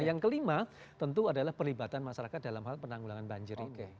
yang kelima tentu adalah perlibatan masyarakat dalam hal penanggulangan banjir ini